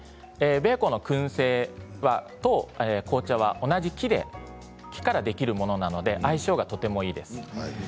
ベーコンのくん製と紅茶は同じ木からできるものなので相性がとてもいいです。